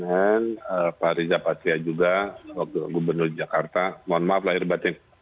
pertanyaan pak riza patria juga waktu gubernur jakarta mohon maaf lahir batin